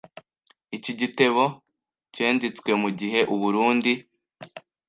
Iki gitebo cyenditswe mu gihe u Burunndi